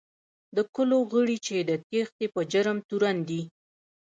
د کلو غړي چې د تېښتې په جرم تورن دي.